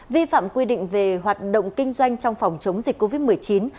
vi phạm quy định về hoạt động kinh doanh trong phòng chống dịch covid một mươi chín